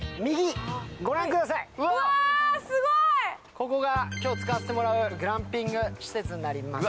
ここが今日使わせてもらうグランピング施設になります。